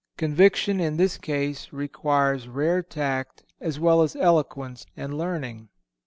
Conviction in this case requires rare tact as well as eloquence and learning.